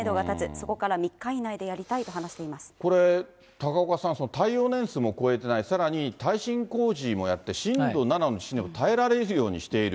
そこから３日以内でやりたいと話これ、高岡さん、耐用年数も超えてない、さらに耐震工事もやって、震度７の地震でも耐えられるようにしている。